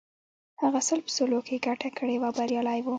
هغه سل په سلو کې ګټه کړې وه او بریالی و